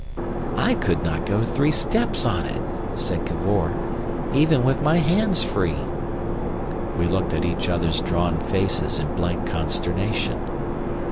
"I could not go three steps on it," said Cavor, "even with my hands free." We looked at each other's drawn faces in blank consternation.